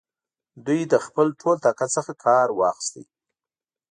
دوی له خپل ټول طاقت څخه کار واخیست.